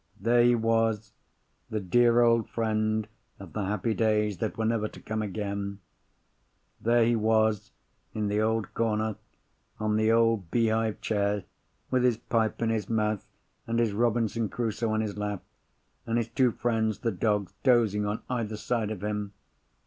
There he was—the dear old friend of the happy days that were never to come again—there he was in the old corner, on the old beehive chair, with his pipe in his mouth, and his Robinson Crusoe on his lap, and his two friends, the dogs, dozing on either side of him!